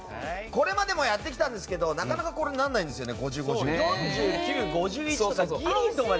これまでもやってきたんですけどなかなか５０：５０にならないんですよね。